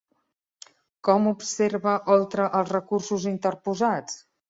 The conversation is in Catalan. Com observa Oltra els recursos interposats?